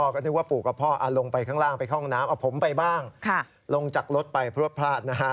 ก็นึกว่าปู่กับพ่อลงไปข้างล่างไปเข้าห้องน้ำเอาผมไปบ้างลงจากรถไปพลวดพลาดนะฮะ